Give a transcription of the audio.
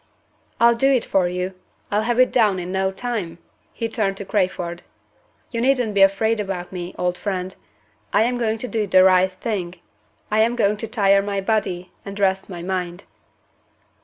"I'll do it for you! I'll have it down in no time!" He turned to Crayford. "You needn't be afraid about me, old friend. I am going to do the right thing. I am going to tire my body and rest my mind."